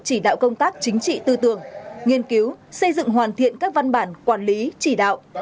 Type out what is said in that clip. chỉ đạo công tác chính trị tư tưởng nghiên cứu xây dựng hoàn thiện các văn bản quản lý chỉ đạo